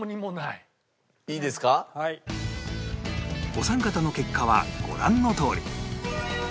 お三方の結果はご覧のとおり